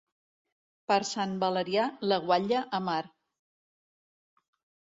Per Sant Valerià, la guatlla a mar.